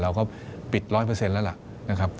เราก็ปิด๑๐๐แล้วล่ะ